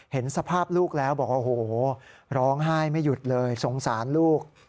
เห็นสภาพลูกแล้วบอกว่าโอ้โหร้องไห้ไม่หยุดเลยสงสารลูก